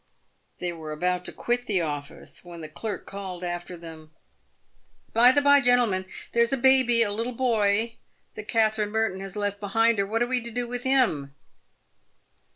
j They were about to quit the office, when the clerk called after them :" By the by, gentlemen, there's a baby — a little boy — that Katherine Merton has left behind her. "What are we to do with him!"